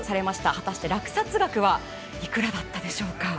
果たして落札額はいくらだったでしょうか。